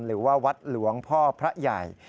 หรือว่าวัดหลวงพ่อพระใหญ่